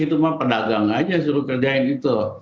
itu mah pedagang aja suruh kerjain itu